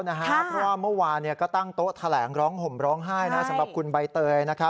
เพราะว่าเมื่อวานก็ตั้งโต๊ะแถลงร้องห่มร้องไห้สำหรับคุณใบเตย